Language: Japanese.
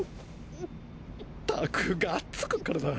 ったくがっつくからだ。